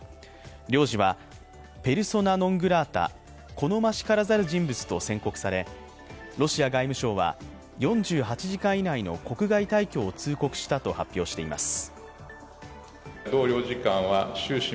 領事は、ペルソナ・ノン・グラータ＝好ましからざる人物と宣告されロシア外務省は、４８時間以内の国外退去を通告したと発表しています。